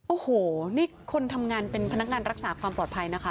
โอ้โหนี่คนทำงานเป็นพนักงานรักษาความปลอดภัยนะคะ